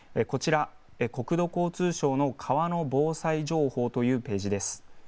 国土交通省の川の防災情報というページです。